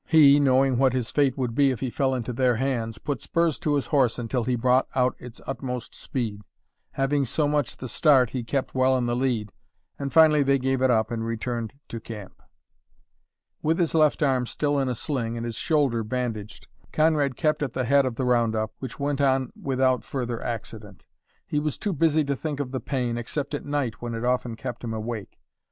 He, knowing what his fate would be if he fell into their hands, put spurs to his horse until he brought out its utmost speed. Having so much the start he kept well in the lead, and finally they gave it up and returned to camp. With his left arm still in a sling and his shoulder bandaged, Conrad kept at the head of the round up, which went on without further accident. He was too busy to think of the pain, except at night, when it often kept him awake.